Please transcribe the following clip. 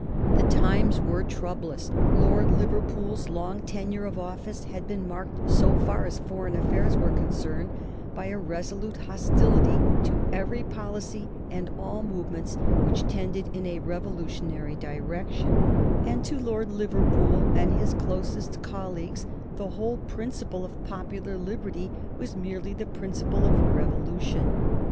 The times were troublous. Lord Liverpool's long tenure of office had been marked, so far as foreign affairs were concerned, by a resolute hostility to every policy and all movements which tended in a revolutionary direction, and to Lord Liverpool and his closest colleagues the whole principle of popular liberty was merely the principle of revolution.